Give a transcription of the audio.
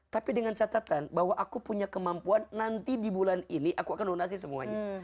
tapi dengan catatan bahwa aku punya kemampuan nanti di bulan ini aku akan lunasi semuanya